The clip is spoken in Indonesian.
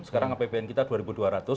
sekarang apbn kita dua dua ratus triliun